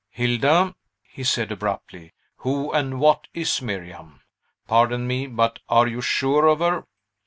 "Hilda," said he abruptly, "who and what is Miriam? Pardon me; but are you sure of her?"